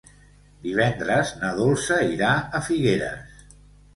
Divendres na Dolça irà a Figueres.